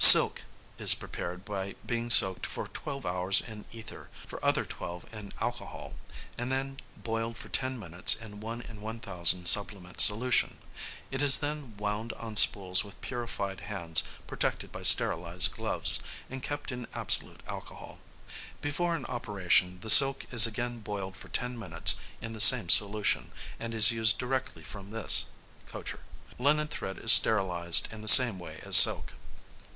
Silk is prepared by being soaked for twelve hours in ether, for other twelve in alcohol, and then boiled for ten minutes in 1 in 1000 sublimate solution. It is then wound on spools with purified hands protected by sterilised gloves, and kept in absolute alcohol. Before an operation the silk is again boiled for ten minutes in the same solution, and is used directly from this (Kocher). Linen thread is sterilised in the same way as silk.